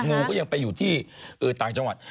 งูก็ยังไปอยู่ที่ต่างจังหวัด